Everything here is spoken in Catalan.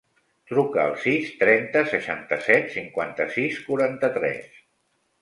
Truca al sis, trenta, seixanta-set, cinquanta-sis, quaranta-tres.